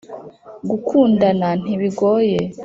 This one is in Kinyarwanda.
gukundana ntibigoye